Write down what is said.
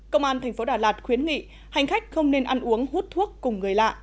công an thành phố đà lạt khuyến nghị hành khách không nên ăn uống hút thuốc cùng người lạ